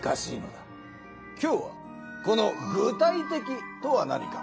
今日はこの「具体的」とは何か。